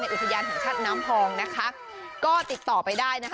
อุทยานแห่งชาติน้ำพองนะคะก็ติดต่อไปได้นะคะ